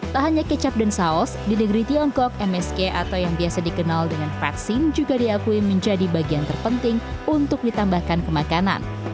tak hanya kecap dan saus di negeri tiongkok msg atau yang biasa dikenal dengan vaksin juga diakui menjadi bagian terpenting untuk ditambahkan ke makanan